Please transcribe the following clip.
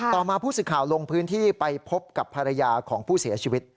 ต่อมาผู้สื่อข่าวลงพื้นที่ไปพบกับภรรยาของผู้เสียชีวิต